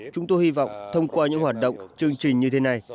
chúng tôi hy vọng thông qua những hoạt động chương trình như thế này